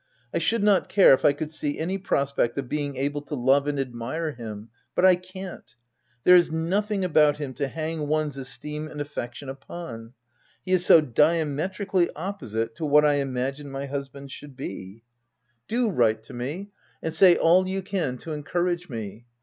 I should not care if I could see any prospect of being able to love and admire him, but I can't. There is nothing about him to hang one's esteem and affection upon : he is so diametrically opposite to what I imagined my husband should be. 112 THE TENANT Do write to me, and say all you can to en courage me.